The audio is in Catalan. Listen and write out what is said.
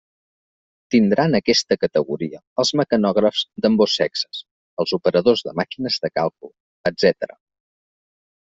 Tindran aquesta categoria els mecanògrafs d'ambdós sexes, els operadors de màquines de càlcul, etcètera.